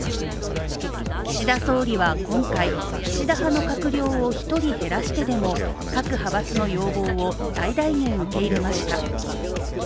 岸田総理は今回、岸田派の閣僚を１人減らしてでも各派閥の要望を最大限受け入れました。